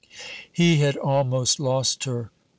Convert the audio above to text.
He had almost lost her.